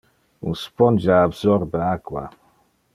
Un spongia absorbe aqua.